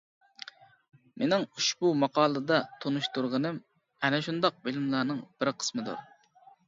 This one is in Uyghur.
مېنىڭ ئۇشبۇ ماقالىدا تونۇشتۇرغىنىم ئەنە شۇنداق بىلىملەرنىڭ بىر قىسمىدۇر.